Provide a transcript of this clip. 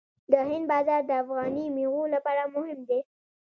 د هند بازار د افغاني میوو لپاره مهم دی.